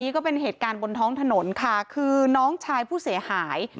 ก็เป็นเหตุการณ์บนท้องถนนค่ะคือน้องชายผู้เสียหาย